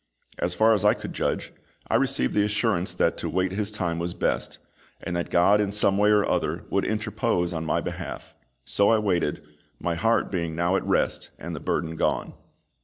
As far as I could judge, I received the assurance that to wait His time was best; and that GOD in some way or other would interpose on my behalf. So I waited, my heart being now at rest and the burden gone.